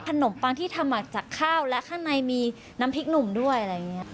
ปังที่ทำมาจากข้าวและข้างในมีน้ำพริกหนุ่มด้วยอะไรอย่างนี้